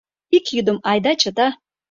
— Ик йӱдым айда чыта.